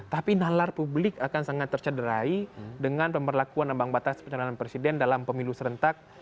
tapi nalar publik akan sangat tercederai dengan pemberlakuan ambang batas pencalonan presiden dalam pemilu serentak